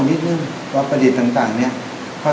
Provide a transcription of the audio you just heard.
ในคลิปเสียงนั้นเรา